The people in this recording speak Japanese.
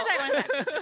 ハハハッ。